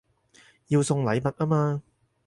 要送禮物吖嘛